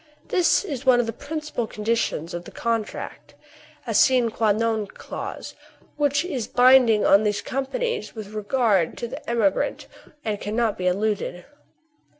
This is one of the principal conditions of the con tract, — a sine qua non clause, which is binding on these companies with regard to the emigrant, and cannot be eluded.